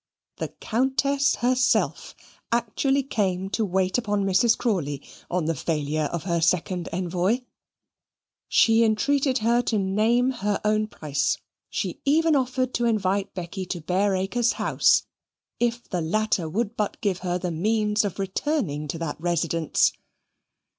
The Countess herself actually came to wait upon Mrs. Crawley on the failure of her second envoy. She entreated her to name her own price; she even offered to invite Becky to Bareacres House, if the latter would but give her the means of returning to that residence.